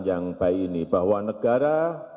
yang baik ini bahwa negara